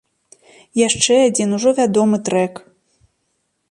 Яшчэ адзін ужо вядомы трэк.